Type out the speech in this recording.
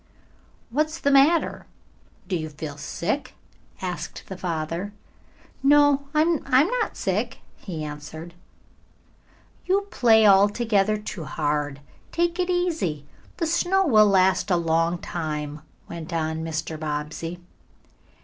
"What's the matter? Do you feel sick?" asked the father. "No, I'm not sick," he answered. "You play altogether too hard. Take it easy. The snow will last a long time," went on Mr. Bobbsey.